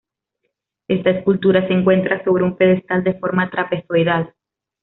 Esta escultura se encuentra sobre un pedestal de forma trapezoidal.